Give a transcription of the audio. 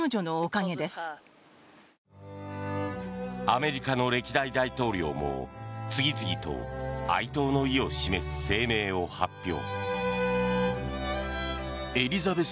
アメリカの歴代大統領も次々と哀悼の意を示す声明を発表。